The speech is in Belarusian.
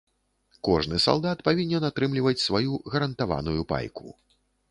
Кожны салдат павінен атрымліваць сваю гарантаваную пайку.